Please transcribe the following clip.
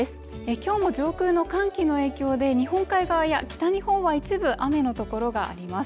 今日も上空の寒気の影響で日本海側や北日本は一部雨の所があります